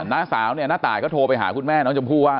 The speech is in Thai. น้าสาวเนี่ยน้าตายก็โทรไปหาคุณแม่น้องชมพู่ว่า